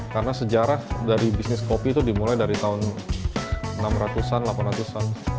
karena sejarah dari bisnis kopi itu dimulai dari tahun enam ratus an delapan ratus an